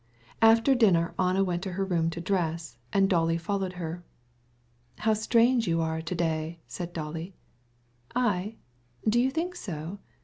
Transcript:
After dinner, Anna went up to her room to dress, and Dolly followed her. "How queer you are today!" Dolly said to her. "I? Do you think so?